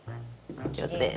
上手です。